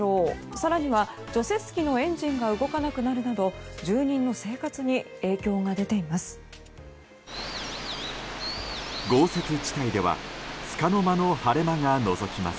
更には除雪機のエンジンが動かなくなるなど住人の生活に影響が出ています。